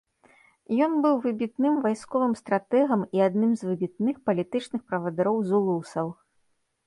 Ён быў выбітным вайсковым стратэгам і адным з выбітных палітычных правадыроў зулусаў.